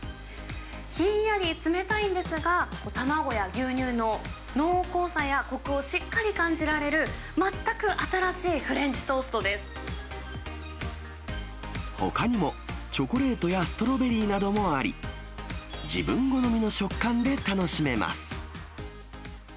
ひんやり冷たいんですが、卵や牛乳の濃厚さやこくをしっかり感じられる全く新しいフレンチほかにも、チョコレートやストロベリーなどもあり、自分好みの食感で楽しめます。